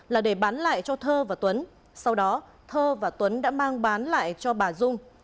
là để bán lại cho thơ và tuấn sau đó thơ và tuấn đã mang bán lại cho bà dung